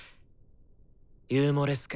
「ユーモレスク」。